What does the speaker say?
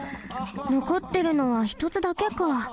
のこってるのはひとつだけか。